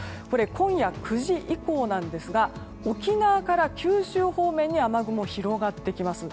今夜９時以降ですが沖縄から九州方面に雨雲広がってきます。